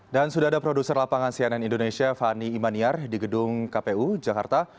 dan sudah ada produser lapangan cnn indonesia fani imaniar di gedung kpu jakarta